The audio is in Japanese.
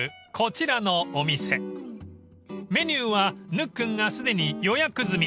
［メニューはぬっくんがすでに予約済み］